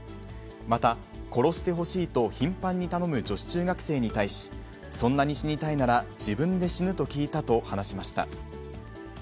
また、殺してほしいと頻繁に頼む女子中学生に対し、そんなに死にたいなら自分で死ぬ？と聞いたと話しました。